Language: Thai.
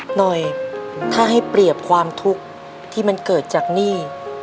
หน่อยถ้าให้เปรียบความทุกข์ที่มันเกิดจากหนี้